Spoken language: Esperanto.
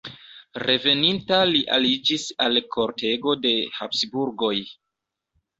Reveninta li aliĝis al kortego de Habsburgoj.